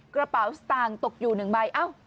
กระเป๋าสตางค์ตกอยู่๑ใบ